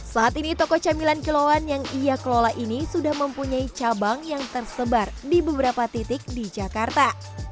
saat ini toko camilan kilauan yang ia kelola ini sudah mempunyai cabang yang tersebar di beberapa titik di jakarta